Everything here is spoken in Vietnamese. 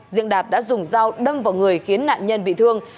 riêng đạt đã dùng dao đâm vào người khiến nạn nhân bị thương